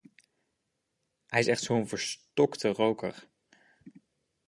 Hij is echt zo'n verstokte roker.